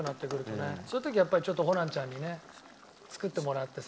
そういう時やっぱりちょっとホランちゃんにね作ってもらってさ。